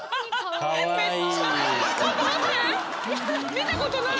見たことない。